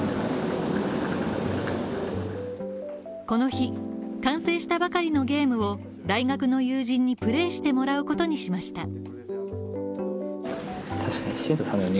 この日、完成したばかりのゲームを大学の友人にプレーしてもらうことにしました。